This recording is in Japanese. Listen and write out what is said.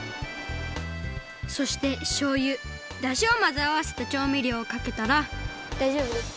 そしてしょうゆだしをまぜあわせたちょうみりょうをかけたらだいじょうぶですか？